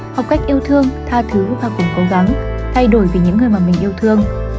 học cách yêu thương tha thứ và cùng cố gắng thay đổi vì những người mà mình yêu thương